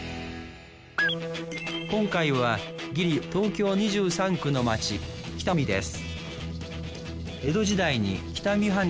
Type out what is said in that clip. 今回はギリ東京２３区の街喜多見です